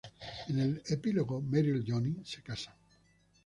En el epílogo, Meryl y Johnny se casan.